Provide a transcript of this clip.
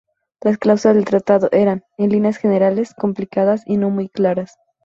Las cláusulas del tratado eran, en líneas generales, complicadas y no muy claras.